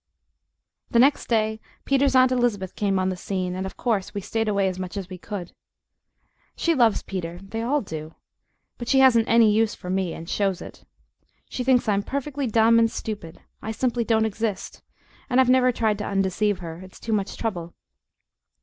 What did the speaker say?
The next day Peter's Aunt Elizabeth came on the scene, and of course we stayed away as much as we could. She loves Peter they all do but she hasn't any use for me, and shows it. She thinks I'm perfectly dumb and stupid. I simply don't exist, and I've never tried to undeceive her it's too much trouble.